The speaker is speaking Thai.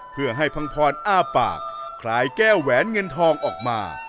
เพื่อให้พังพรอ้าปากคลายแก้วแหวนเงินทองออกมา